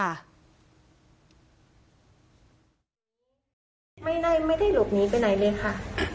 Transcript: ไม่ได้หลบหนีไปไหนเลยค่ะ